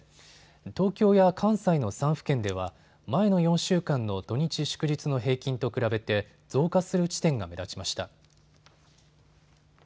東京や関西の３府県では前の４週間の土日、祝日の平均と比べて増加する地点が目立ちました。